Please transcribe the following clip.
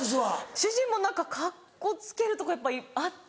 主人も何かカッコつけるとこやっぱあって。